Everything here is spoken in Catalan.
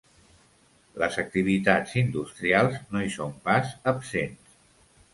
Les activitats industrials no hi són pas absents.